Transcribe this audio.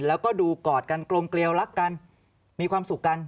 แล้วก็ดูกอดกันกลมเกลียวรักกันมีความสุขกัน